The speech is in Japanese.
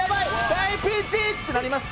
大ピンチ！ってなります」